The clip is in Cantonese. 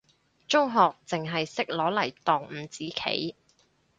中學淨係識攞嚟當五子棋，